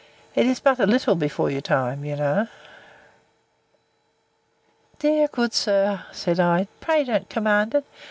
It is but a little before your time, you know. Dear, good sir, said I, pray don't command it!